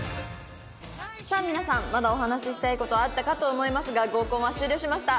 さあ皆さんまだお話ししたい事あったかと思いますが合コンは終了しました。